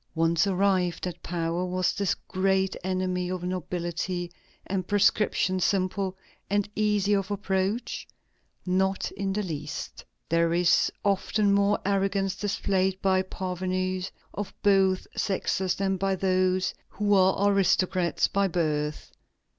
Once arrived at power, was this great enemy of nobility and prescription simple, and easy of approach? Not in the least. There is often more arrogance displayed by parvenus of both sexes than by those who are aristocrats by birth.